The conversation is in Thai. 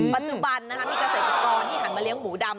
ปัจจุบันมีกาเศรษฐ์กระโกนที่หารมาเลี้ยงหมูดำ